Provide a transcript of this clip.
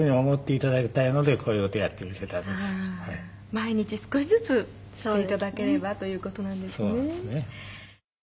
毎日少しずつして頂ければということなんですね。